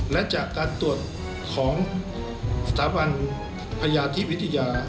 และจากการตรวจของสถาบันพญาธิวิทยา